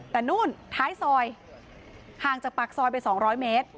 แต่นู่นท้ายซอยห่างจากปากซอยไป๒๐๐เมตร